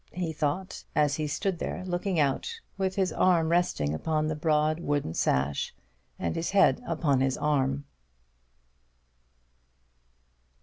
he thought, as he stood there looking out, with his arm resting upon the broad wooden sash, and his head upon his arm.